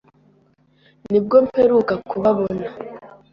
Nibwo mperuka kubabona .